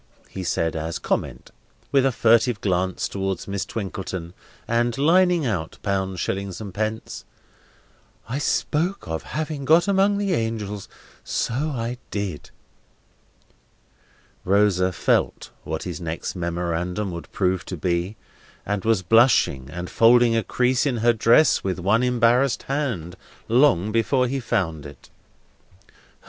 he said, as comment, with a furtive glance towards Miss Twinkleton, and lining out pounds, shillings, and pence: "I spoke of having got among the angels! So I did!" Rosa felt what his next memorandum would prove to be, and was blushing and folding a crease in her dress with one embarrassed hand, long before he found it.